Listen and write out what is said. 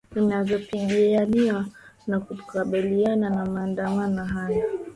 inavyopingana na kukubaliana na maandamano hayo